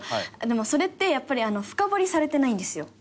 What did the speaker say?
でもそれってやっぱり深掘りされてないんですよ。